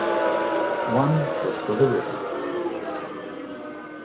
One was for the river.